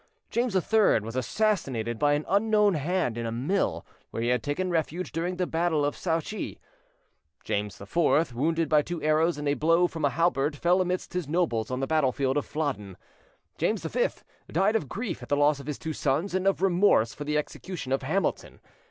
James III was assassinated by an unknown hand in a mill, where he had taken refuge during the battle of Sauchie. James IV, wounded by two arrows and a blow from a halberd, fell amidst his nobles on the battlefield of Flodden. James V died of grief at the loss of his two sons, and of remorse for the execution of Hamilton.